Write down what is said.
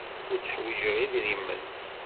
Ur tteḥwijiɣ idrimen.